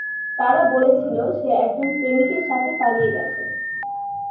তারা বলেছিল, সে একজন প্রেমিকের সাথে পালিয়ে গেছে।